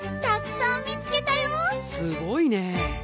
すごいね。